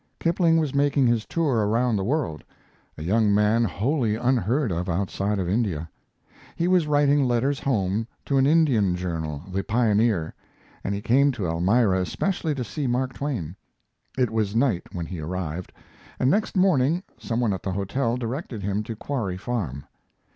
Kipling was making his tour around the world, a young man wholly unheard of outside of India. He was writing letters home to an Indian journal, The Pioneer, and he came to Elmira especially to see Mark Twain. It was night when he arrived, and next morning some one at the hotel directed him to Quarry Farm.